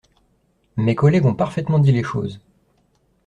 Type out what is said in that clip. Mes collègues ont parfaitement dit les choses.